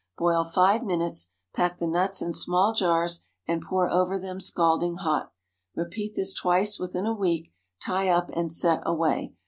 Boil five minutes; pack the nuts in small jars and pour over them scalding hot. Repeat this twice within a week; tie up and set away.